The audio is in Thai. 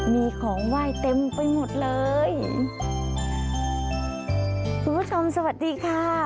มีของไหว้เต็มไปหมดเลยคุณผู้ชมสวัสดีค่ะ